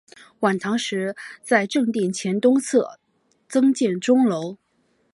晚唐时在正殿前东侧增建钟楼。